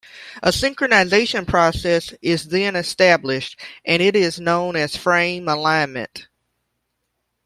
A synchronization process is then established, and it is known as frame alignment.